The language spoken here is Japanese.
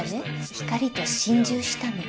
光と心中したの。